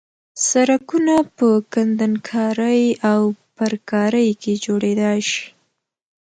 سرکونه په کندنکارۍ او پرکارۍ کې جوړېدای شي